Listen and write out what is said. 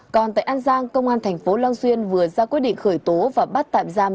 còn tại an giang công an thành phố long xuyên vừa ra quyết định khởi tố và bắt tạm giam